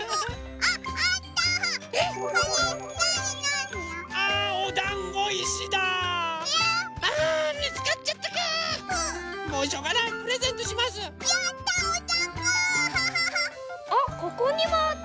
あっここにもあった！